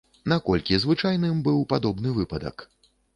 Наколькі звычайным быў падобны выпадак?